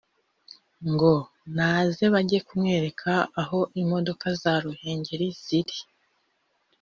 ngo naze bajye kumwereka aho imodoka za Ruhengeri ziri